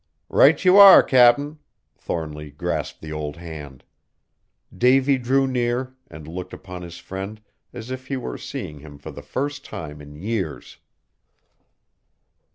"Right you are, Cap'n!" Thornly grasped the old hand. Davy drew near and looked upon his friend as if he were seeing him for the first time in years.